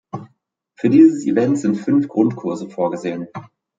Für dieses Event sind fünf Grundkurse vorgesehen.